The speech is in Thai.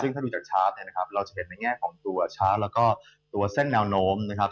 ซึ่งถ้าดูจากชาร์จเนี่ยนะครับเราจะเห็นในแง่ของตัวชาร์จแล้วก็ตัวเส้นแนวโน้มนะครับ